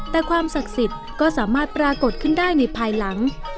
แต่ความศักดิ์สิทธิ์ก็สามารถปรากฏขึ้นได้ในภายหลัง